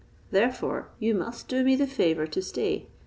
Therefore you must do me the favour to stay.